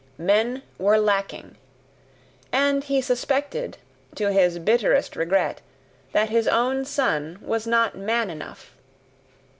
MEN WERE LACKING; and he suspected, to his bitterest regret, that his own son was not man enough.